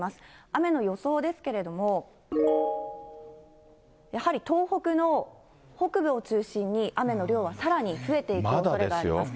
雨の予想ですけれども、やはり東北の北部を中心に、雨の量はさらに増えていくおそれがあります。